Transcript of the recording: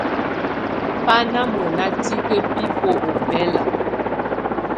Bà ná munà tikǝ́ bibuǝ́ ɔmbela.